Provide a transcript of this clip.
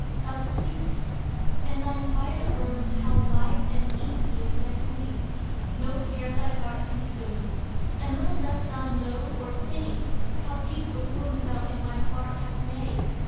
Thou sleepest! in thy quiet rooms, how light And easy is thy sleep! No care thy heart Consumes; and little dost thou know or think, How deep a wound thou in my heart hast made.